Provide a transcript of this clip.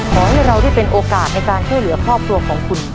ขอให้เราได้เป็นโอกาสในการช่วยเหลือครอบครัวของคุณ